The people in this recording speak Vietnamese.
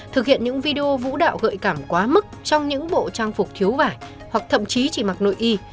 thực hiện những video vũ đạo gợi cảm quá mức trong những bộ trang phục thiếu vải hoặc thậm chí chỉ mặc nội y